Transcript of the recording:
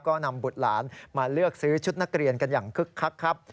ก็นำบุตรหลานมาเลือกซื้อชุดนักเรียนกันอย่างคึกคักครับ